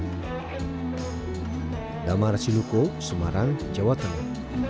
nama rasiluko semarang jawa tengah